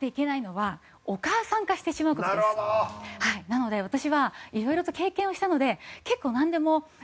なので私はいろいろと経験をしたので結構なんでも。